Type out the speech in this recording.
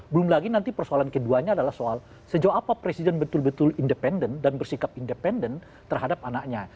belum lagi nanti persoalan keduanya adalah soal sejauh apa presiden betul betul independen dan bersikap independen terhadap anaknya